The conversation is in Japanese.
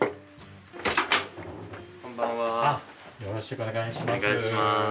よろしくお願いします。